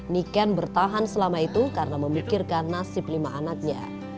niken bertahan selama itu karena memikirkan nasib lima anaknya